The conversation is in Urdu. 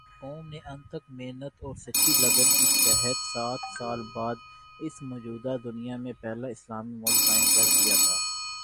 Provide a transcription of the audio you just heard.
قوم نے انتھک محنت اور سچی لگن کے تحت سات سال بعد اس موجودہ دنیا میں پہلا اسلامی ملک قائم کردیا تھا